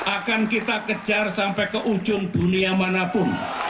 akan kita kejar sampai ke ujung dunia manapun